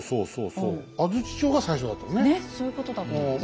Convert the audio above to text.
そういうことだったんですね。